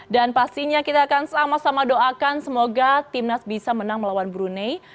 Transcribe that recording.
dan pastinya kita akan sama sama doakan semoga timnas bisa menang melawan brunei